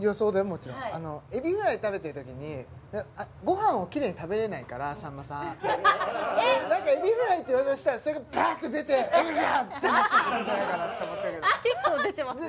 もちろんエビフライ食べてるときにごはんをきれいに食べれないからさんまさんなんかエビフライって言おうとしたらそれがバッって出てエビフリャーってなっちゃったんじゃないかなって思ったけど結構出てますね